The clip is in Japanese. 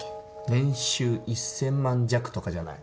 年収１，０００万弱とかじゃない？